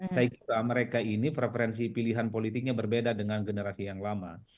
saya kira mereka ini preferensi pilihan politiknya berbeda dengan generasi yang lama